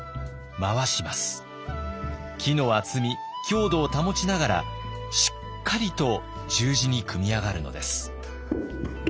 木の厚み強度を保ちながらしっかりと十字に組み上がるのです。